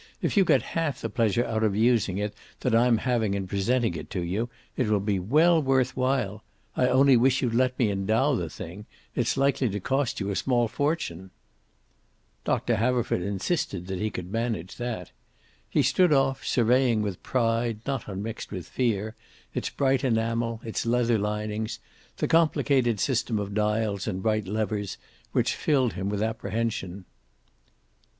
If you get half the pleasure out of using it that I'm having in presenting it to you, it will be well worth while. I only wish you'd let me endow the thing. It's likely to cost you a small fortune." Doctor Haverford insisted that he could manage that. He stood off, surveying with pride not unmixed with fear its bright enamel, its leather linings, the complicated system of dials and bright levers which filled him with apprehension.